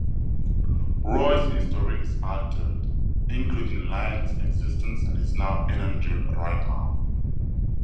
Roy's history is altered, including Lian's existence and his now uninjured right arm.